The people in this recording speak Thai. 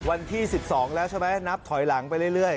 วันที่๑๒แล้วใช่ไหมนับถอยหลังไปเรื่อย